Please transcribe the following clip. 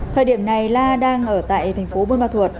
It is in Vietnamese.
thời điểm này la đang ở tại tp buôn ma thuột